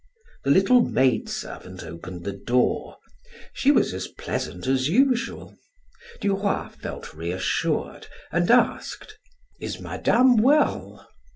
The little maid servant opened the door. She was as pleasant as usual. Duroy felt reassured and asked: "Is Madame well?"